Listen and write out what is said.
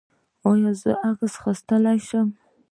ایا زه عکس اخیستلی شم؟